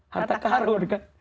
harta karun kan